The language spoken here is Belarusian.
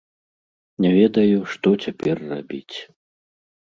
Не ведаю, што цяпер рабіць.